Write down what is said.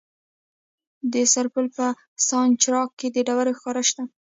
د سرپل په سانچارک کې د ډبرو سکاره شته.